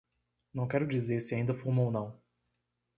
Não quero dizer se ainda fumo ou não.